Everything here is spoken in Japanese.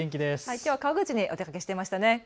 きょうは川口にお出かけしていましたね。